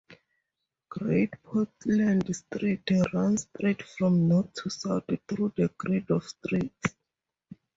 Great Portland Street runs straight from north to south through the grid of streets.